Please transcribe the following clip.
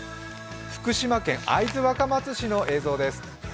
福島県会津若松市の映像です。